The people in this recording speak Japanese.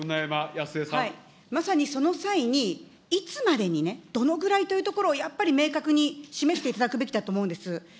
まさにその際にいつまでに、どのくらいというところを、やっぱり明確に示していただくべきだと思うんです。